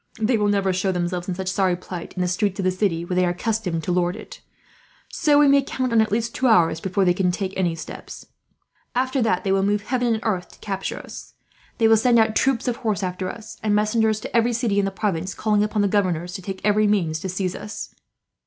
They will never show themselves, in such sorry plight, in the streets of the city where they are accustomed to lord it; so we may count on at least two hours before they can take any steps. After that, they will move heaven and earth to capture us. They will send out troops of horse after us, and messengers to every city in the province, calling upon the governors to take every means to seize us.